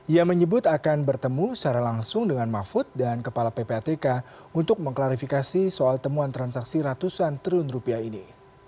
ia menyebut akan bertemu secara langsung dengan mahfud dan kepala ppatk untuk mengklarifikasi soal temuan transaksi ratusan triliun rupiah ini